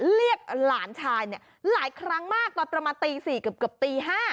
เรียกหลานชายเนี่ยหลายครั้งมากตอนประมาณตี๔เกือบตี๕